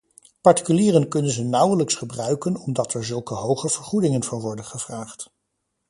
Particulieren kunnen ze nauwelijks gebruiken, omdat er zulke hoge vergoedingen voor worden gevraagd.